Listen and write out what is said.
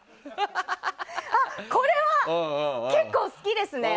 これは結構好きですね。